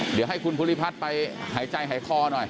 เดี๋ยวให้คุณภูริพัฒน์ไปหายใจหายคอหน่อย